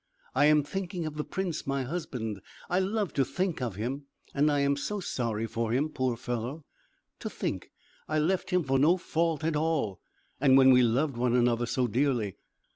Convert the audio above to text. "I am thinking of the prince, my husband. I love to think of him, and I am so sorry for him, poor fellow! To think I left him for no fault at all; and when we loved one another so dearly!